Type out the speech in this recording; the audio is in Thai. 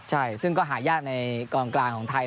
ใช่ซึ่งก็หายากในกองกลางของไทย